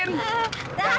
nah jemput udah